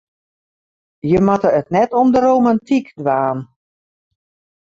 Je moatte it net om de romantyk dwaan.